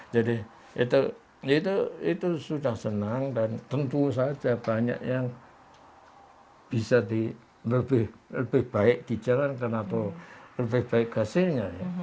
jadi itu sudah senang dan tentu saja banyak yang bisa lebih baik dijalankan atau lebih baik hasilnya